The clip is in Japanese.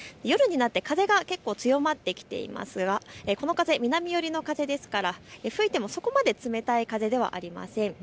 夜になって風が結構強まってきていますがこの風、南寄りの風ですから吹いてもそこまで冷たい風ではありません。